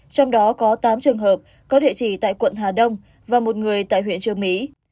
trong đó có tám trường hợp có địa chỉ tại quận hà đông và một người tại huyện trương mỹ